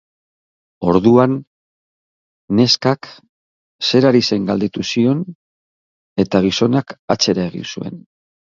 Orduan, neskak zer ari zen galdetu zion eta gizonak atzera egin zuen.